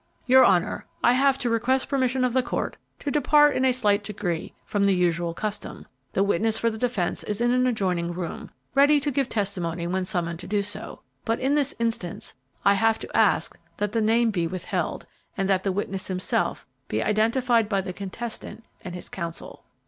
"Your honor, I have to request permission of the court to depart in a slight degree from the usual custom. The witness for the defence is in an adjoining room, ready to give testimony when summoned to do so, but in this instance I have to ask that the name be withheld, and that the witness himself be identified by the contestant and his counsel."